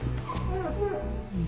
うん。